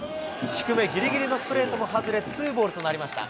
低めぎりぎりのストレートも外れ、ツーボールとなりました。